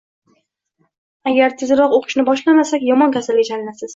Agar tezroq o`qishni boshlamasak, yomon kasalga chalinasiz